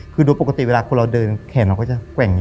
คือโดยปกติเวลาคนเราเดินแขนเราก็จะแกว่ง